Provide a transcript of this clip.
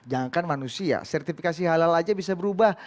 jangan kan manusia sertifikasi halal aja bisa berubah